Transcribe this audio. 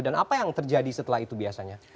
dan apa yang terjadi setelah itu biasanya